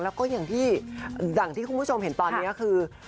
แล้วก็อย่างที่คุณผู้ชมเห็นตอนนี้คือ